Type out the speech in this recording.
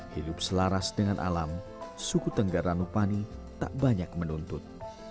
hidup selaras dengan alam suku tenggar ranupani tak banyak menuntut